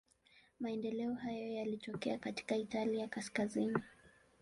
Maendeleo hayo yalitokea katika Italia kaskazini.